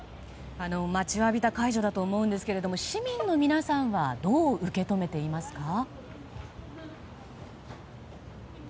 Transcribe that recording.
待ちわびた解除だと思うんですけれども市民の皆さんはどう受け止めていますか？